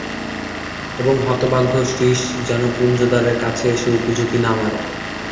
এবং হতভাগ্য শ্রীশ যেন কুঞ্জদ্বারের কাছে এসে উঁকিঝুঁকি না মারে।